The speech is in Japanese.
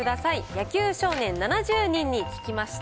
野球少年７０人に聞きました。